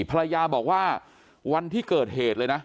ภรรยาบอกว่าวันที่เกิดเหตุเลยนะ